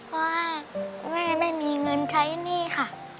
เพราะว่าแม่ไม่มีเงินใช้หนี้ค่ะ